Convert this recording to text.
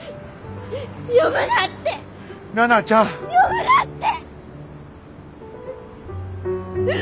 呼ぶなって！